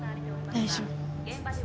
大丈夫。